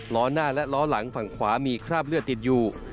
ล้อหน้าและล้อหลังฝั่งขวามีคราบเลือดติดอยู่